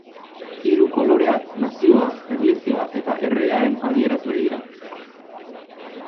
Hiru koloreak Nazioa, Erlijioa eta Erregearen adierazle dira.